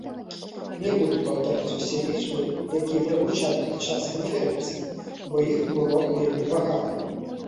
Не буду паўтараць усе лічбы, якія прагучалі падчас канферэнцыі, бо іх было вельмі багата.